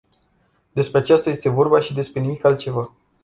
Despre aceasta este vorba și despre nimic altceva.